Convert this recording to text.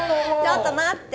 ちょっと待って。